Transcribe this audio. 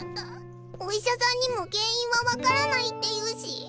お医者さんにも原因は分からないって言うし。